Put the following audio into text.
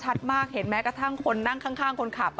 ชัดมากเห็นแม้กระทั่งคนนั่งข้างคนขับ